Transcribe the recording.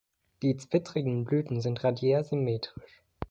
Die zwittrigen Blüten sind radiärsymmetrisch.